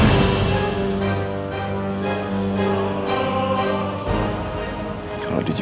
terus sekarang andi dimana